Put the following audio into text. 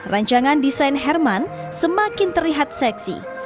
rancangan desain herman semakin terlihat seksi